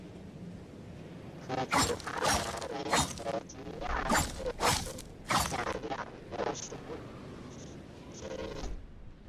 砗磲蛤属为砗磲亚科之下两个属之一。